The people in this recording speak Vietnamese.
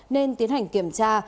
nên tiến hành kiểm tra